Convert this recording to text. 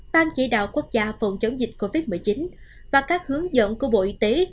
ban chỉ đạo quốc gia phòng chống dịch covid một mươi chín và các hướng dẫn của bộ y tế